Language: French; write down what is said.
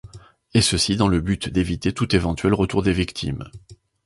Et ceci dans le but d’éviter tout éventuel retour des victimes.